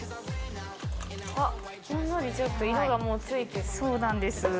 あっほんのりちょっと色がもうついてます。